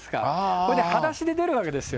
それではだしで出るわけですよ。